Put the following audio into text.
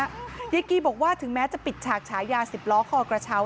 ยายกี้บอกว่าถึงแม้จะปิดฉากฉายาสิบล้อคอกระเช้า